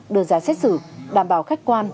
đưa ra xét xử đảm bảo khách quan